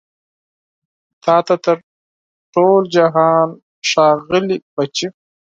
تا ته تر ټول جهان ښاغلي بچي